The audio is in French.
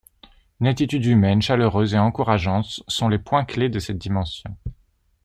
Une attitude humaine, chaleureuse et encourageante sont les points-clés de cette dimension.